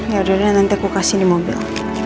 yaudah deh nanti aku kasih di mobil